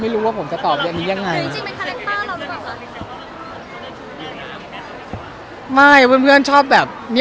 มันแบบเคยมีแปลงมา๓ปีมันก็แบบเหนื่อย